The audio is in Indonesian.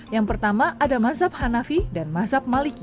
yang pertama ada mazhab hanafi dan mazhab maliki